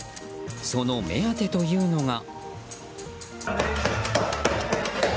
その目当てというのが。